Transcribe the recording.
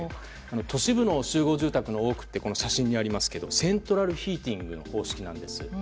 都市部の集合住宅の多くは写真にもありますがセントラルヒーティングという方式なんです。